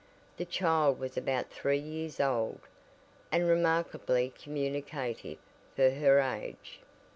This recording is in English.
The child was about three years old, and remarkably communicative for her age.